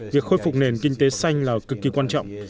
việc khôi phục nền kinh tế xanh là cực kỳ quan trọng